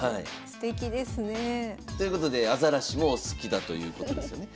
すてきですねえ。ということでアザラシもお好きだということですよね。